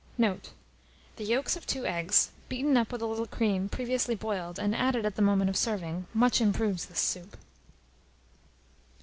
Note. The yolks of 2 eggs, beaten up with a little cream, previously boiled, and added at the moment of serving, much improves this soup.